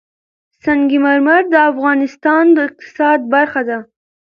سنگ مرمر د افغانستان د اقتصاد برخه ده.